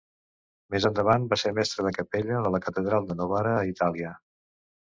Més endavant va ser mestre de capella de la catedral de Novara a Itàlia.